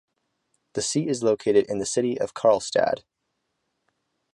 Its seat is located in the city of Karlstad.